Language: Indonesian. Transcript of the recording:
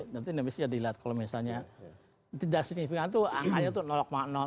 nanti nanti bisa dilihat kalau misalnya tidak signifikan itu angkanya itu sekian lah gitu